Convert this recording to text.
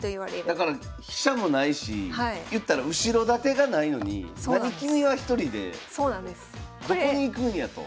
だから飛車もないし言ったら後ろ盾がないのになに君は１人でどこに行くんやと。